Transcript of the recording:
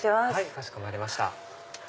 かしこまりました。